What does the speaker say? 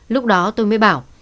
lúc đó tôi mới bảo